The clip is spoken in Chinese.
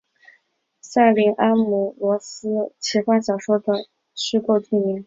塞林安姆罗斯奇幻小说的虚构地名。